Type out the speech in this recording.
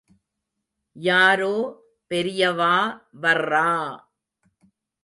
யாரோ பெரியவா வர்றா!...